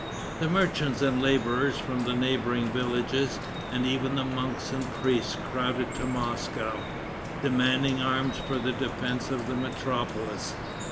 The merchants and laborers from the neighboring villages, and even the monks and priests crowded to Moscow, demanding arms for the defense of the metropolis.